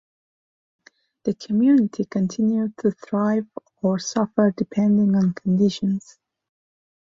The community continued to thrive or suffer depending on conditions.